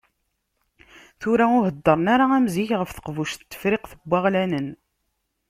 Tura ur heddren ara am zik ɣef Teqbuct n Tefriqt n Waɣlanen.